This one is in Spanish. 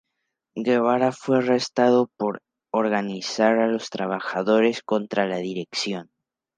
Guevara fue arrestado por organizar a los trabajadores contra la dirección.